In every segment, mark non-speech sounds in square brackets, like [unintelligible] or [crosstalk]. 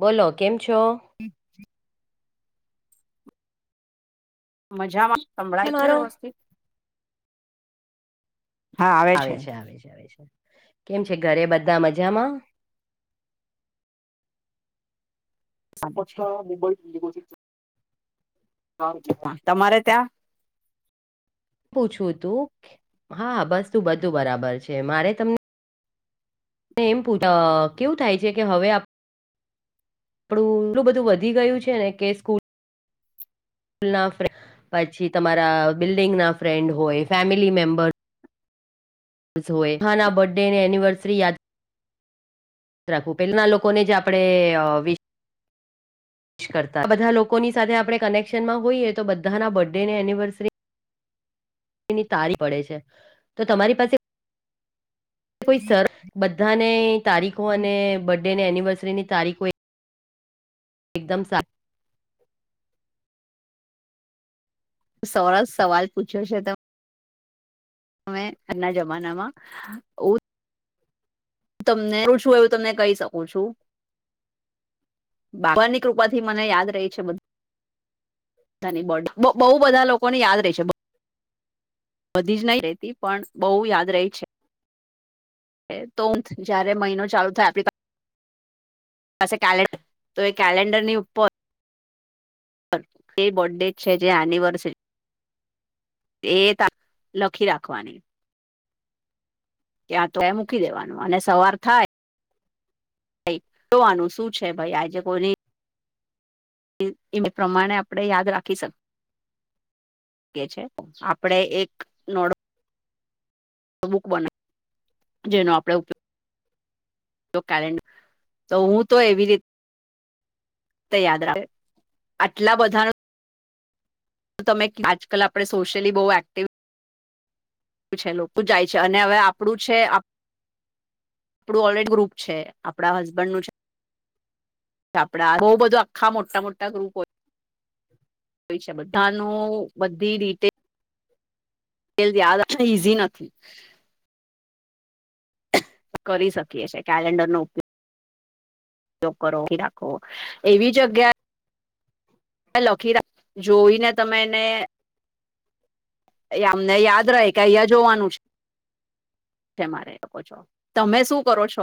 બોલો કેમ છો [inaudible] મજામાં સંંભળાય છે વ્યવસ્થિત આવે છે આવે છે આવે છે કેમ છે ઘરે બધા મજામાં [inaudible] તમારે ત્યાં પૂછવું તું હા બસ તું બધું બરાબર છે મારે તમને એમ પૂછ કેવું થાય છે કે હવે આ પડું એટલું બધું વધી ગયું છે ને કે સ્કૂલ લના પછી તમારા બિલ્ડિંગ ના ફ્રેન્ડ હોય ફેમિલી મેમ્બર સ હોય હા ના બર્થ ડે ને એનિવર્સરી યાદ રાખવું પેલના લોકો ને જ આપડે વી શ કરતા બધા લોકોની સાથે આપડે કનેક્શન માં હોઈએ તો બધાના બર્થડે ને એનિવર્સરી ની તારી પડે છે તો તમારી પાસે કોઈ સર બધાને તારીખો અને બડે ને એનિવર્સરીની તારીખો એકદમ સા સરસ સવાલ પૂછ્યો છે તમે અમે ના જમાનામાં ઉ તમને ઉ શું એવું તમને કહી શકું છું બાપા ની કૃપા થી મને યાદ રહી છે બધૂ થા ની બડ બહુ બધા લોકો ને યાદ રહેશે બધી જ નહી રેતી પણ બહુ યાદ રહી છે તો જયારે મહિનો ચાલુ થાય આપડી પા પાસે કેલેન્ડર તો એ કેલેન્ડર ની ઉપર તે બર્થડે છે જે એનિવર્સરી એ તા લખી રાખવાની ત્યાં તો એ મૂકી દેવાનું અને સવાર થાય ભઈ જોવાનું શું છે ભાઈ આજે કોઈની એ પ્રમાણે આપણે યાદ રાખી શક કિયે છે આપણે એક નડ બુક બના જેનો આપણે ઉપયોગ તો કેલેન્ડ તો હું તો એવી રી તેં યાદ રાખે આટલા બધાનું તમે આજકાલ આપણે સોશિયલી બહુ એક્ટિવ છે લોકો જાય છે અને હવે આપડુ છે આપ આપડુ ઓલરેડી ગ્રુપ છે આપડા હસબન્ડ નું છે આપડા બહુ બધું આખા મોટા મોટા ગ્રુપ હો હોય છે બધા નો બધી ડિટે ડીટેલ્સ યાદને ઈઝી નથી કરી શકીએ છે કેલેન્ડર નો ઉપયોગ ઉપયોગ કરો કે રાખો એવી જગ્યા કે લખી રાખ જોઈને તમે એને એ અમને યાદ રહે કે અહીંયા જોવાનું છે તે મારે લોકો જો તમે શું કરો છો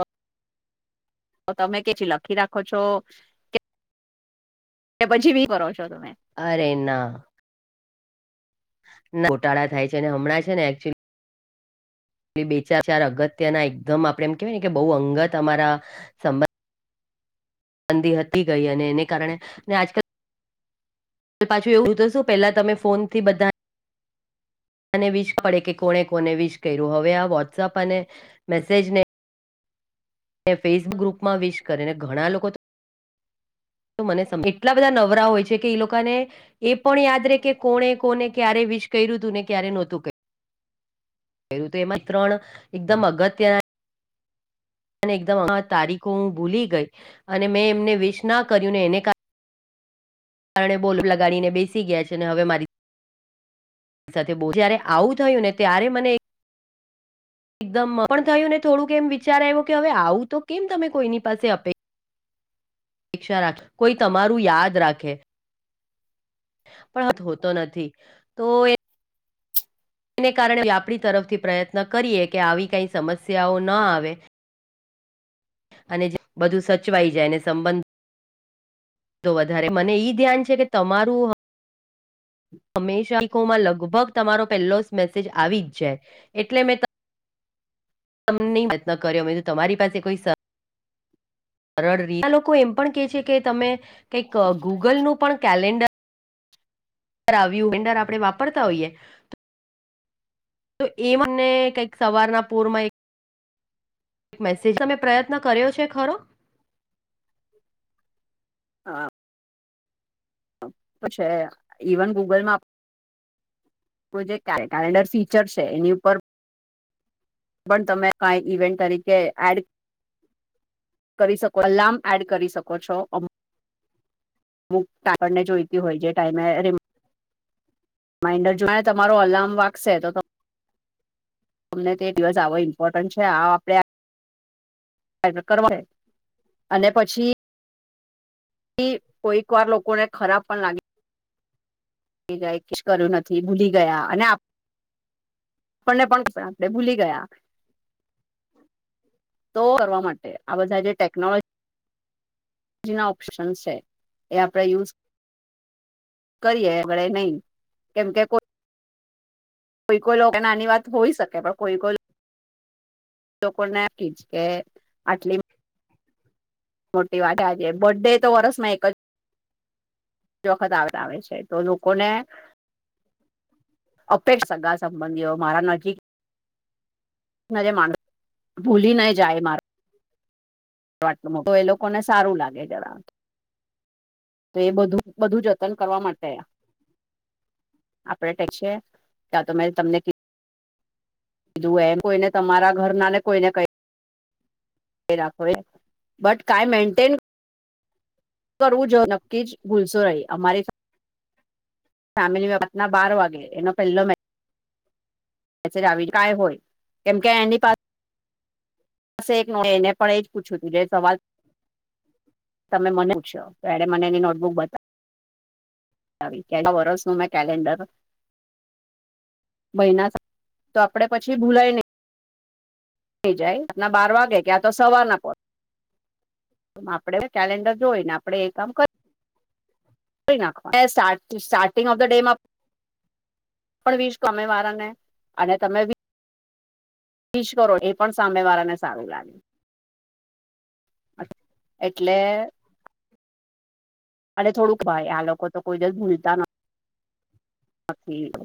તો તમે કેથી લખી રાખો છો કે પછી બી કરો છો તમે અરે ના ગોટાળા થાય છે અને હમણાં છે ને એક્ચુઅલી બે ચાર ચાર અગત્ય ના એકદમ આપણે એમ કેવાય ને કે બહુ અંગત અમારા સબંધ મંદી હતી ગઈ અને એને કારણે અને આજકાલ પાછું એવું તો શું પેલા તમે ફોન થી બધા ને વિશ પડે કે કોને કોને વિશ કર્યું હવે આ વોટ્સઅપ અને મેસેજને ફેસબુક ગ્રુપમાં વિશ કરી ને ઘણા લોકો તો તો મને એટલા બધા નવરા હોય છે કે એ લોકોને એ પણ યાદ રે કે કોને કોને ક્યારે વિશ કર્યું તું ને ક્યારે નહોતું કર્યું. એવું તો એમાં ત્રણ એકદમ અગત્યના એકદમ આ તારીખો હું ભૂલી ગઈ અને મેં એમને વિશ ના કર્યું ને એને કારણ કારણે બોલ લગાડી ને બેસી ગયા છે ને હવે મારી સાથે બહુ જયારે આવું થયું ને ત્યારે મને એકદમ પણ થયું ને થોડુંક એમ વિચાર આવ્યો કે હવે આવું તો કેમ તમે કોઈની પાસે અપે અક્ષા રાખે કોઈ તમારું યાદ રાખે પણ હોતો નથી. તો એ એને કારણે આપણી તરફથી પ્રયત્ન કરીએ કે આવી કઈ સમસ્યાઓ ન આવે. અને જે બધું સચવાઈ જાયને સંબંધ તો વધારે મને ઈ ધ્યાન છે કે તમારું હમ હંમેશા ઇકો લગભગ તમારો પહેલો મેસેજ આવી જ જાય એટલે મેં તમને પ્રયત્ન કર્યો મેતો તમારી પાસે કોઈ સ સરળ રે આ લોકો એમ પણ કે છે કે તમે કંઈક ગૂગલનું પણ કેલેન્ડર રાવ્યું કિન્ડર વાપરતા હોઈએ તો તો એ મને કઈક સવારના પોર માં એક મેસેજ તમે પ્રયત્ન કર્યો છે ખરો? હા. તો છે, ઇવન ગૂગલમાં પ્રોજેક્ટ આવે, કેલેન્ડર ફીચર છે એની ઉપર પણ તમે કઈ ઇવેન્ટ તરીકે એડ કરી શકો અલામ એડ કરી શકો છો. બુટ આપણને જોઈતી હોય જે ટાઈમે અરે માઇન્ડર જો મે તમારો અલારમ વાગશે તો તમે તમને તે દિવસ આવો ઇમ્પોર્ટન્ટ છે આ આપડે કરવાને. અને પછી કોઈક વાર લોકો ને ખરાબ પણ લાગે. કે જાય કીસ કર્યું નથી ભૂલી ગયા અને આ આપણને પણ આપે ભૂલી ગયા. તો કરવા માટે આ બધા જે ટેકનોલોજી જેના ઓપ્શનસ છે એ આપડે યુઝ કરીએ ગળે નહી કેમ કે કોઈ કોઈ કોઈ લો કે નાની વાત હોય શકે પણ કોઈ કોઈ લોકોને આપી કે આટલી મોટી વાત આજે બર્ડે તો વરસ માં એક જ તો વખત આવતા આવે છે તો લોકોને અપેટ સગા સંબંધીઓ મારા નજીક નારે માણસ ભૂલી ના જાય મારે [unintelligible] આટલું મો તો એ લોકોને સારું લાગે જરા. તો એ બધું બધું જતન કરવા માટે આપડે ટેક છે આ તો મે તમને કીધુ કીધું એમ કોઈને તમારા ઘર ના ને કોઈને કઇ એ રાખો બટ કાઈ મેન્ટેન કરવું જો નક્કી જ ભૂલસો રહી અમારી ફેમિલી વાત ના બાર વાગે એનો પહેલો મે [inaudible] આવી કાય હોય કેમ કે એની પાસે સ એક બેને પણ એજ પૂછ્યું તું જે સવાલ તમે મને પુછો તો એને મને એની નોટબુક બતાવી વતાવી કે એમાં વરસનું મે કેલેન્ડર મહિના સા તો આપડે પછી ભૂલાય નહી. થઈ જાય આપના બાર વાગે કે આ તો સવાર ના પોર આપડે કેલેન્ડર જોઈ ને આપડણે એકમ કરી. [unintelligible] ધોઈ નાખવા સાર સ્ટાર્ટિંગ ઓફ ધ ડેમાં પણ વીશ ગમે વારા ને અને તમે વિશ કરો એ પણ સામે વાળાને સારું લાગે. એટલે. અને થોડુંક ભાઈ આ લોકો તો કોઈ દિવસ ભૂલતા નથી.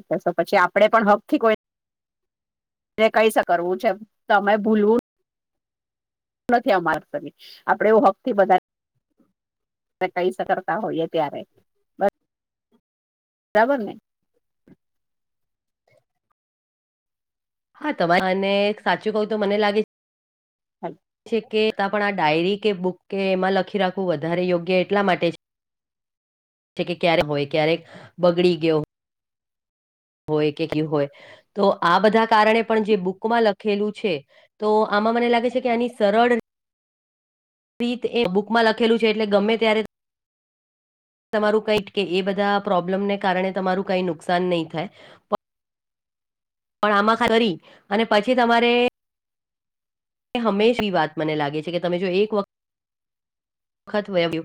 [inaudible] પછી આપડે પણ હક થી કોઈ એ કઈશ કરવું છે મે ભૂલવું નથી અમાર કરવી આપડે એવું હક થી બધા આપડે કઇસકતા હોઈએે ત્યારે- બરાબર ને હા તમારે મને સાચું કવું તો મને લાગે છે છે કે તો પણ આ ડાયરી કે બુક કે એમાં લખી રાખવું વધારે યોગ્ય એટલા માટે છે. કે ક્યારેક હોય ક્યારેક બગડી ગયો. હોય કે કયું હોય તો આ બધા કારણે પણ જે બુકમાં લખેલું છે. તો આમાં મને લાગે છે કે આની સરળ પ્રીત એ બુકમાં લખેલું છે એટલે ગમે ત્યારે તમારું કઈ કે એ બધા પ્રોબ્લેમને કારણે તમારું કઈ નુકસાન નહી થાય. પણ આમાં કરી અને પછી તમારે હંમેશા એ વાત મને લાગે છે કે તમે જો એક વખત વખત વ્યું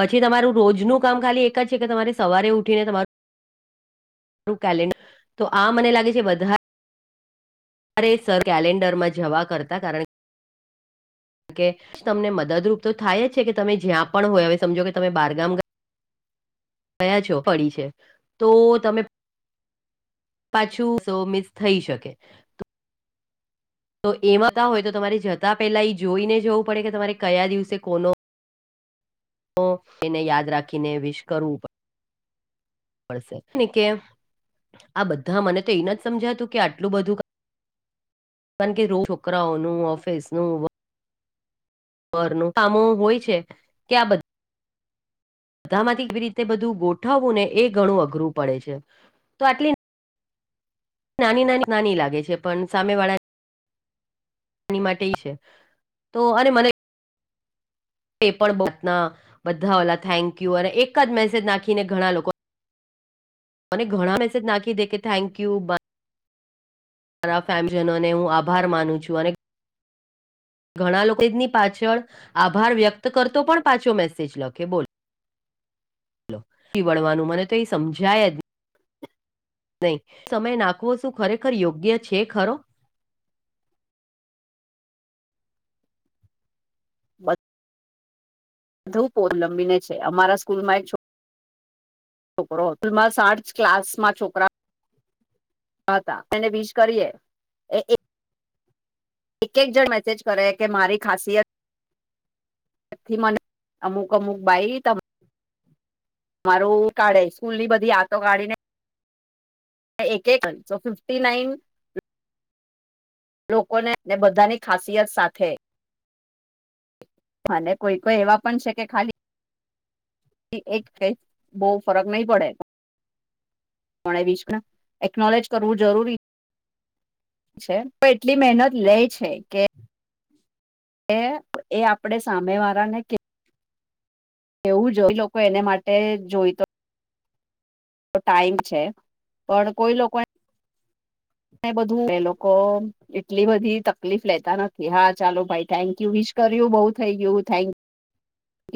પછી તમારું રોજનું કામ ખાલી એક જ છે કે તમારે સવારે ઉઠીને તમાર કેલેન્ડર તો આ મને લાગે છે વધાર રે સર કેલેન્ડર માં જવા કરતા કારણ કે કે તમને મદદરૂપ તો થાય જ છે કે તમે જ્યાં પણ હોય હવે સમજો કે તમે બારગામ ગ ગયા છો, પડી છે. તો તમે પાછું સો મિસ થઈ શકે. તો એમાં હોય તો તમારે જતા પેલા એ જોઈ ને જવું પડે કે તમારે કયા દિવસે કોનો તો એને યાદ રાખીને વિશ કરવું પડે. કે આ બધા મને તો એને સમજાતું કે આટલું બધું પણ કે રોજ છોકરાઓનું ઓફિસ નું પરનું કામો હોય છે કે આ બધ બધા માંથી કેવી રીતે બધું ગોઠવવું ને એ ઘણું અઘરું પડે છે. તો આટલી નાની નાની નાની લાગે છે પણ સામે વાળા ની માટે છે તો અને મને એ પણ બના બધા ઓલા થેન્ક યુ અને એક જ મેસેજ નાખીને ઘણા લોકો મને ઘણા મેસેજ નાખી દે કે થેન્ક યુ બ મારા ફેમજનો ને હું આભાર માનું છું અને ઘણા લોકો એની પાછળ આભાર વ્યક્ત કરતો પણ પાછો મેસેજ લખે બોલ. પીવડવાનું મને તો એ સમજાય જ નહી સમય નાખવો શું ખરેખર યોગ્ય છે ખરો. બધુ પોન લંબી ને છે અમારા સ્કૂલમાં એક છો છોકરોલ આર્ ક્લાસ માં છોકરા ખાતા એને વિષ કરીએ એ ઈ. એક એક જણ મેસેજ કરે કે મારી ખાસિયત થી મને અમુક અમુક બાઈ ત મારું કાઢે સ્કૂલ ની બધી આતો કાઢી ને એક એક ફિફ્ટી નાઇન લોકોને ને બધાની ખાસિયત સાથે અને કોઈ કોઈ એવા પણ છે કે ખાલી એક એક બહુ ફરક નહી પડે. પો બીસ પણ એકનોલેજ કરવું જરૂરી. પણ એટલી મહેનત લે છે કે એ એ આપડે સામે વાળા ને એવું જો એ લોકો એને માટે જોઈ તો ટાઈમ છે પણ કોઈ લોકો [unintelligible] બધું એ લોકો. એટલી બધી તકલીફ લેતા નથી હા ચાલો ભાઈ થેન્ક યુ વિીશ કર્યું બઉુ થઇ ગયું થેન્કુ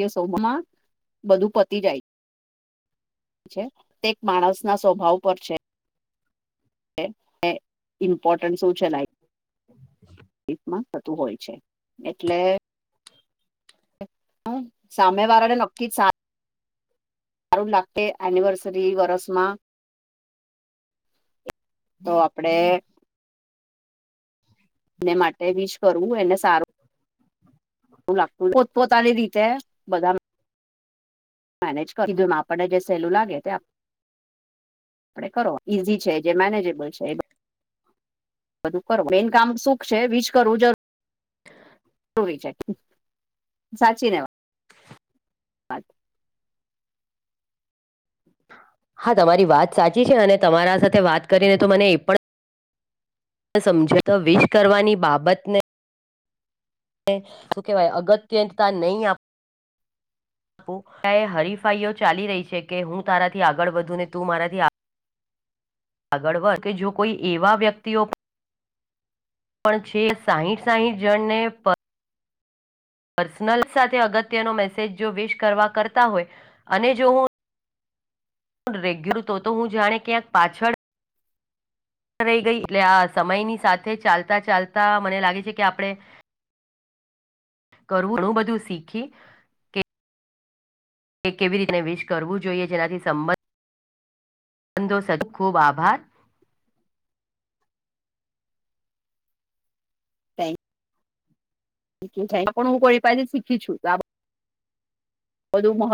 એ સૌભમાં બધું પતી જાય તે એક માણસ ના સ્વભાવ પર છે. એ એ ઇમ્પોર્ટન્ટ શું છે લાઈફ [unintelligible] માં થતું હોય છે એટલે હમ સામે્ય વારાાડ નક્કી સારું લાગ એનિવર્સરી વરસ માં તો આપડે એને માટે વિીશ કરવું એને સારું. એું લાગતુ [unintelligible] પોતપોતાની રીતે બધાને મેનેજ કર કીધું આપણને જે સહેલું લાગે તે આપણે કરો ઈઝી છે જે મેનેજેબલ છે. બધું કરો મેન કામ સુખ છે વીજ કરવું જરૂરી રી છે સાચીને વાત હા તમારી વાત સાચી છે અને તમારા સાથે વાત કરીને તો મને એ પણ સમજો તો વિશ કરવાની બાબતને તું કેવાય અગત્ય ત નહીં આપે હરીફાઈઓ ચાલી રહી છે કે હું તારાથી આગળ વધુ ને તું મારાથી આગળ વધ કે જો કોઈ એવા વ્યક્તિઓ પણ છે સાહીઠ સાહીઠ જણ ને પર્સનલ સાથે અગત્યનો મેસેજ જો વશ કરવા કરતા હોય અને જો હું રેગ્યુર તો હું જાણે ક્યાંક પાછળ રહી ગઈ એટલે આ સમયની સાથે ચાલતા ચાલતા મને લાગે છે કે આપણે કરવું હું બધું શીખી કે કે કેવી રીતને વિશ કરવું જોઈએ જેનાથી સંબંધ બંધો ખૂબ આભાર થેન્ક પણ હું ક શીખી છું તો બધું મહ